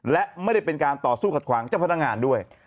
และไม่ได้เป็นการต่อสู้ขัดขวางเจ้าพนักงานด้วย